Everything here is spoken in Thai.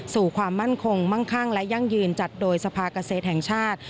ความมั่นคงมั่งคั่งและยั่งยืนจัดโดยสภาเกษตรชาติ